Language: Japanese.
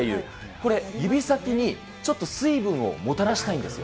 これ、指先にちょっと水分をもたらしたいんですよ。